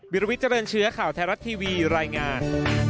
วิลวิทเจริญเชื้อข่าวไทยรัฐทีวีรายงาน